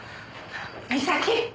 美咲！